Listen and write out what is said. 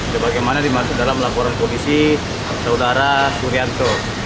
sebagaimana dimaksud dalam laporan kondisi saudara surianto